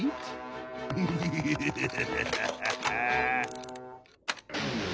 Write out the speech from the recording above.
ヌフフフフ。